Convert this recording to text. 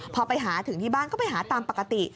พอไปหาถึงที่บ้านก็ไปหาตามปกติ